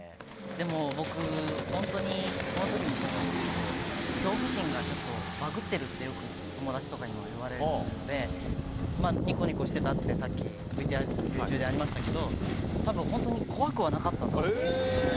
でも僕本当にこの時もそうなんですけど恐怖心がバグってるってよく友達とかにも言われるのでにこにこしてたってさっきＶＴＲ中でありましたけど多分、本当に怖くはなかったんだと思うんです。